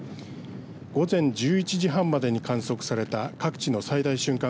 午前１１時半までに観測された各地の最大瞬間